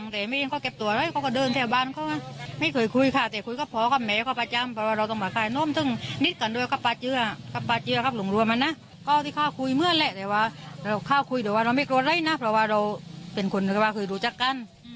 แต่ว่าเราข้าวคุยหรือว่าเราไม่กลัวเลยนะเพราะว่าเราเป็นคนเขาคิดว่าคือหรูจักกัน